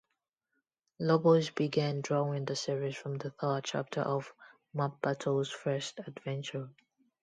Lobos began drawing the series from the third chapter of Mampato's first adventure.